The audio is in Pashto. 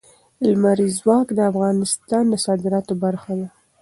لمریز ځواک د افغانستان د صادراتو برخه ده.